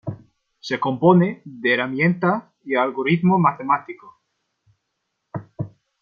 Se compone de herramientas y algoritmos matemáticos.